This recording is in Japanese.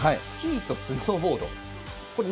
スキーとスノーボード。